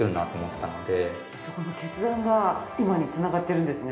そこの決断が今に繋がってるんですね。